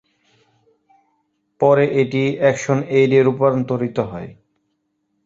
পরে এটি অ্যাকশন-এইডে রূপান্তরিত হয়।